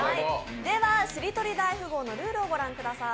しりとり大富豪のルールをご覧ください。